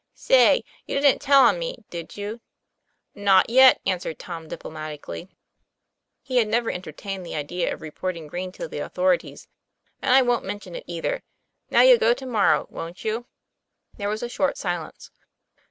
" Say, you didn't tell on me, did you ?" 'Not yet," answered Tom diplomatically he had never entertained the idea of reporting Green to the authorities; "and I wont mention it either. Now you'll go to morrow, wont you?" There was a short silence.